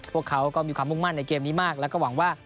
พวกเขาก็มีความมุ่งมั่นในเกมนี้มากแล้วก็หวังว่า